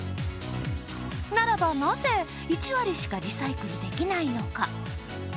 ならばなぜ１割しかリサイクルできないのか。